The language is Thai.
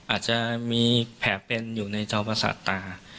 อาจจะมีแผลเป็นอยู่ในจอประสาทตา